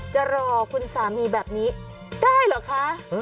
จะรอคุณสามีแบบนี้ได้เหรอคะ